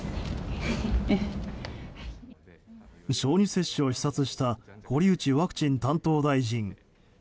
小児接種を視察した堀内ワクチン担当大臣。